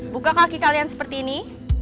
buka kaki kalian seperti ini